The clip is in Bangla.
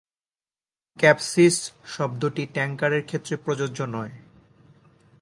"ক্যাপসিজ" শব্দটি ট্যাঙ্কারের ক্ষেত্রে প্রযোজ্য নয়।